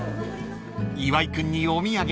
［岩井君にお土産］